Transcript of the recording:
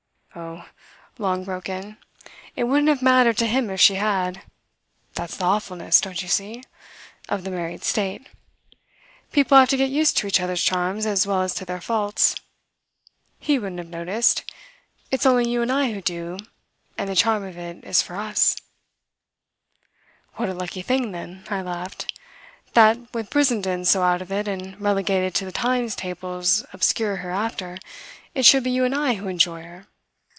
"Oh," Long broke in, "it wouldn't have mattered to him if she had. That's the awfulness, don't you see? of the married state. People have to get used to each other's charms as well as to their faults. He wouldn't have noticed. It's only you and I who do, and the charm of it is for us." "What a lucky thing then," I laughed, "that, with Brissenden so out of it and relegated to the time table's obscure hereafter, it should be you and I who enjoy her!"